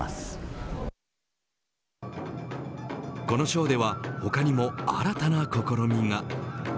このショーでは他にも新たな試みが。